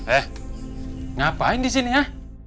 eh ngapain disini ya